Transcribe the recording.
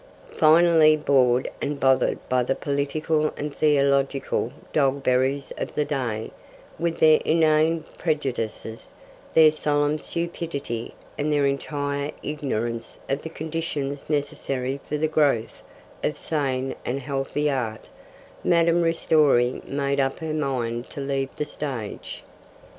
Finally, bored and bothered by the political and theological Dogberrys of the day, with their inane prejudices, their solemn stupidity, and their entire ignorance of the conditions necessary for the growth of sane and healthy art, Madame Ristori made up her mind to leave the stage.